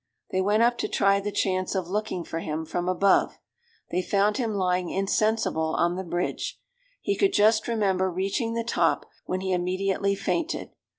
They went up to try the chance of looking for him from above. They found him lying insensible on the bridge. He could just remember reaching the top, when he immediately fainted.